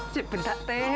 cip genta teh